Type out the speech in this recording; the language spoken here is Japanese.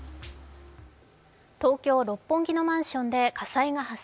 東京・六本木のマンションで火災が発生。